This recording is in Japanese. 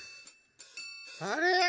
あれ？